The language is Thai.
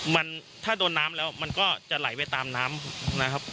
มันถ้าโดนน้ำแล้วมันก็จะไหลไปตามน้ำนะครับ